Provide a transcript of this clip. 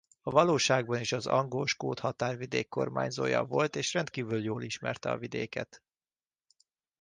A valóságban is az angol-skót határvidék kormányzója volt és rendkívül jól ismerte a vidéket.